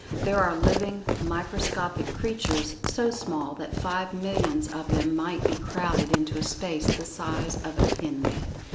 There are living, microscopic creatures, so small that five millions of them might be crowded into a space the size of a pin head.